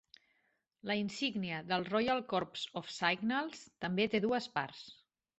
La insígnia del Royal Corps Of Signals també té dues parts.